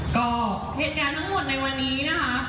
ก็เหตุการณ์ทั้งหมดในวันนี้นะคะ